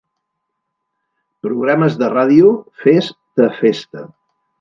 Programes de ràdio Fes ta festa.